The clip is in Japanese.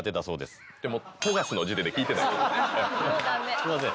すいません。